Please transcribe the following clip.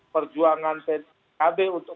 perjuangan pkb untuk